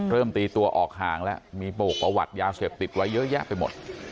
ตีตัวออกห่างแล้วมีโปรกประวัติยาเสพติดไว้เยอะแยะไปหมด